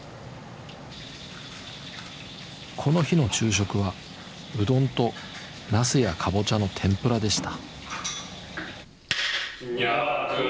この日の昼食はうどんとナスやカボチャの天ぷらでした。